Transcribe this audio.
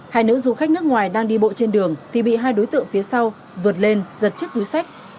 hai nữ du khách nước ngoài đang đi bộ trên đường thì bị hai đối tượng phía sau vượt lên giật chiếc túi sách